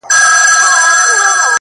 • ټول وجود یې په لړزه وي او ویریږي ,